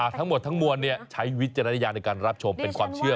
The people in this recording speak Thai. ทั้งหมดทั้งมวลใช้วิจารณญาณในการรับชมเป็นความเชื่อ